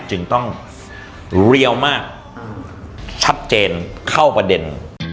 จึงต้องเรียวมากชัดเจนเข้าประเด็น